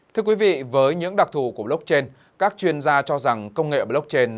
thưa quý vị với những đặc thù của blockchain các chuyên gia cho rằng công nghệ blockchain